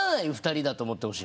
２人だと思ってほしい。